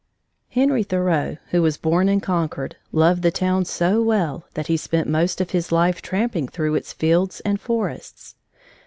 Henry Thoreau, who was born in Concord, loved the town so well that he spent most of his life tramping through its fields and forests.